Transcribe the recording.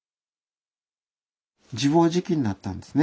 自暴自棄になったんですね。